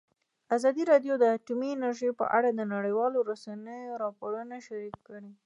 ازادي راډیو د اټومي انرژي په اړه د نړیوالو رسنیو راپورونه شریک کړي.